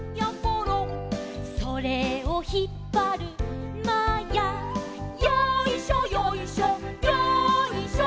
「それをひっぱるまや」「よいしょよいしょよいしょ」